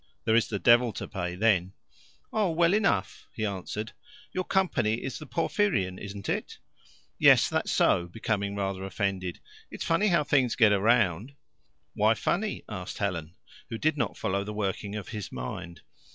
There is the devil to pay then. "Oh, well enough," he answered. "Your company is the Porphyrion, isn't it?" "Yes, that's so" becoming rather offended. "It's funny how things get round." "Why funny?" asked Helen, who did not follow the workings of his mind.